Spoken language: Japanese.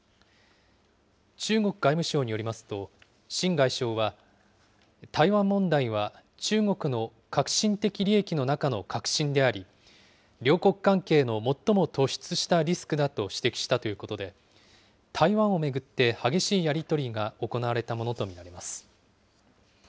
中国外務省によりますと、秦外相は、台湾問題は中国の核心的利益の中の核心であり、両国関係の最も突出したリスクだと指摘したということで、台湾を巡って激しいやり取りが行われたものと見られます。